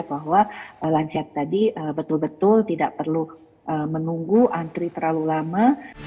bahwa lansia tadi betul betul tidak perlu menunggu antri terlalu lama